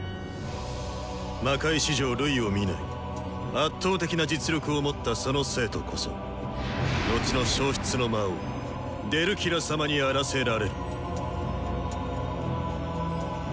魔界史上類を見ない圧倒的な実力を持ったその生徒こそ後の消失の魔王デルキラ様にあらせられる。